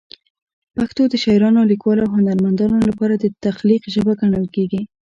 پښتو د شاعرانو، لیکوالو او هنرمندانو لپاره د تخلیق ژبه ګڼل کېږي.